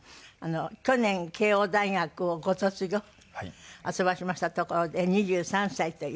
去年慶應大学をご卒業あそばしましたところで２３歳という。